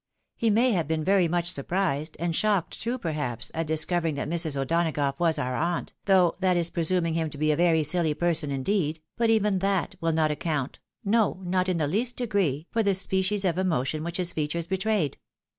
He may have been very much surprised, and shocked too, perhaps, at discovering that Mrs. O'Donagough was our aunt, though that is presuming him to be a very silly person indeed, but even that wiU not account, no, not in the least degree, for the species of emotion which his features betrayed.